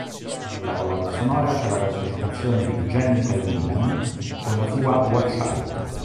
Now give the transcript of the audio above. Nella colonna sonora c'è la partecipazione di "Jennifer Milan" con la sua "Watch Out".